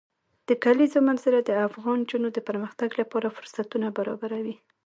د کلیزو منظره د افغان نجونو د پرمختګ لپاره فرصتونه برابروي.